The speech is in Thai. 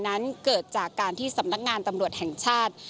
นั้นเกิดจากการที่สำนักงานตำรวจแห่งชาติ